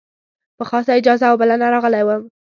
په خاصه اجازه او بلنه راغلی وم.